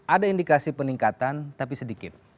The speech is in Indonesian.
ada indikasi peningkatan tapi sedikit